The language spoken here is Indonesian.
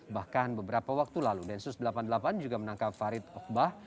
bahkan beberapa waktu lalu densus delapan puluh delapan juga menangkap farid okbah